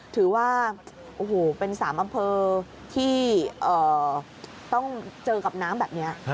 ถือว่าโอ้โหเป็น๓อำเภอที่ต้องเจอกับน้ำแบบนี้